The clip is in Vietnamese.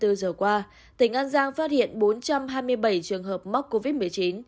hai mươi bốn giờ qua tỉnh an giang phát hiện bốn trăm hai mươi bảy trường hợp mắc covid một mươi chín